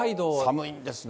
寒いんですね。